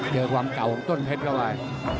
เจอความเก่าของต้นเพชรเข้าไป